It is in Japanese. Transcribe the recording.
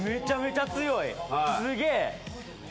すげえ！